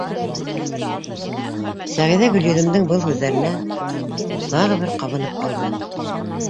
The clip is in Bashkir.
Сәғиҙә Гөлйөҙөмдөң был һүҙҙәренән тағы бер ҡабынып алды.